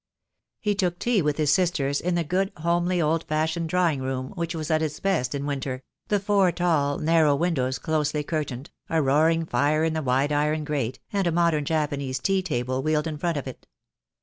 He took tea with his sisters in the good, homely, old fashioned drawing room, which was at its best in winter; the four tall, narrow windows closely curtained, a roaring fire in the wide iron grate, and a modern Japanese tea table wheeled in front of it.